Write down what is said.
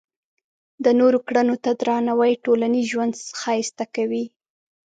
د نورو کړنو ته درناوی ټولنیز ژوند ښایسته کوي.